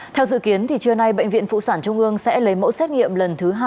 theo dự kiến trưa nay bệnh viện phụ sản trung ương sẽ lấy mẫu xét nghiệm lần thứ hai